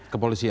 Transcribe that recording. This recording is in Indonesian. ke polisi ya